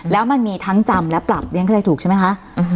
แล้วมันมีทั้งจำและปรับเรียนเข้าใจถูกใช่ไหมคะ